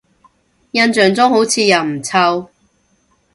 印象中好似又唔臭